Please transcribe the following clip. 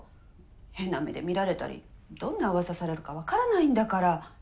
変な目で見られたりどんなウワサされるか分からないんだから。